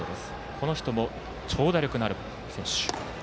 この人も、長打力のある選手。